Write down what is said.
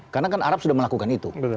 karena kan arab sudah melakukan itu